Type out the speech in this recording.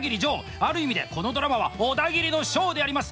ある意味でこのドラマはオダギリのショーであります。